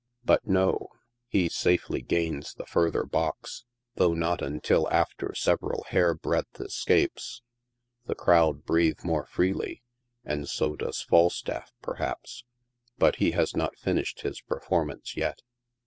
But no 5 he safely gains the further box, though not until after several hair breadth escapes. The crowd breathe more freely, and so doe3 Falstaff, perhaps, but he has not finished his performance yet.